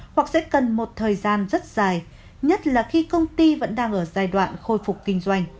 hoặc sẽ cần một thời gian rất dài nhất là khi công ty vẫn đang ở giai đoạn khôi phục kinh doanh